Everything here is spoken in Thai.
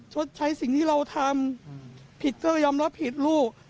ชดใช้สิ่งที่เราทำผิดเจ้ายอมรับผิดลูก